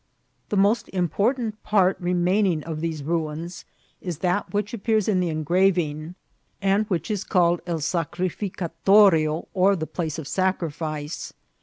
The most important part remaining of these ruins is that which appears in the engraving, and which is call 184 INCIDENTS OF TRAVEL. ed El Sacrificatorio, or the place of sacrifice.